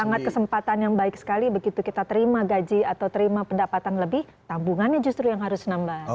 sangat kesempatan yang baik sekali begitu kita terima gaji atau terima pendapatan lebih tabungannya justru yang harus nambah